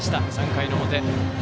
３回の表。